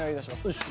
よし。